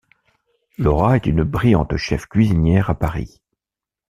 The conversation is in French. Laura est une brillante chef cuisinière à Paris.